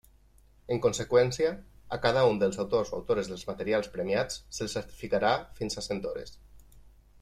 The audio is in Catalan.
En conseqüència, a cada un dels autors o autores dels materials premiats se'ls certificarà fins a cent hores.